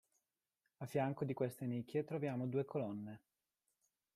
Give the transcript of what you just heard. A fianco di queste nicchie troviamo due colonne.